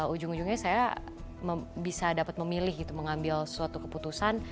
ujung ujungnya saya bisa dapat memilih gitu mengambil suatu keputusan